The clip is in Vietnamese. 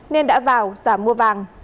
nên đã vào giảm mua vàng